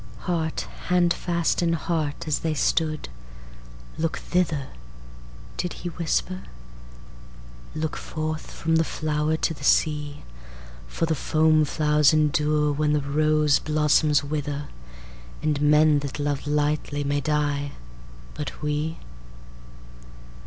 Heart handfast in heart as they stood, "Look thither,"Did he whisper? "Look forth from the flowers to the sea; For the foam flowers endure when the rose blossoms wither, And men that love lightly may die—but we?"